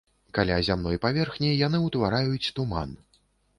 Каля зямной паверхні яны ўтвараюць туман.